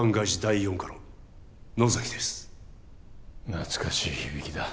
懐かしい響きだ